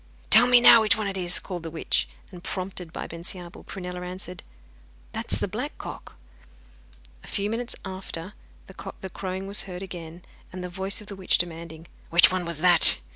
'Tell me now which one it is,' called the witch. And, prompted by Bensiabel, Prunella answered: 'That is the black cock.' A few minutes after the crowing was heard again, and the voice of the witch demanding 'Which one was that?